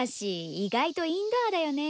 意外とインドアだよね。